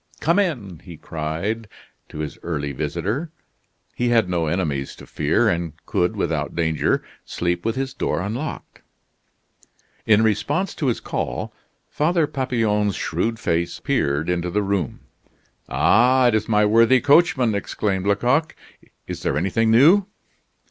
"Come in!" he cried to his early visitor. He had no enemies to fear, and could, without danger, sleep with his door unlocked. In response to his call, Father Papillon's shrewd face peered into the room. "Ah! it is my worthy coachman!" exclaimed Lecoq. "Is there anything new?"